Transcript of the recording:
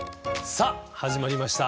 さあ、始まりました。